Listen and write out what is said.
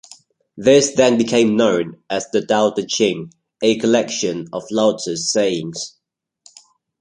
This then became known as the "Dao De Jing", a collection of Laozi's sayings.